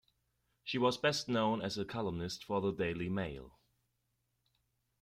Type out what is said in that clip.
She was best known as a columnist for the "Daily Mail".